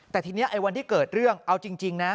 แต่ทีนี้ไอ้วันที่เกิดเรื่องเอาจริงนะ